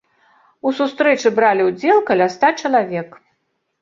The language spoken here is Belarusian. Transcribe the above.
У сустрэчы бралі ўдзел каля ста чалавек.